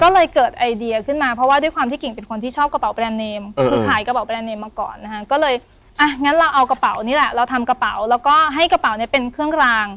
แล้วก็ให้กระเป๋านี้เป็นเครื่องกลาง